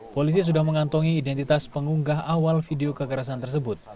polisi sudah mengantongi identitas pengunggah awal video kekerasan tersebut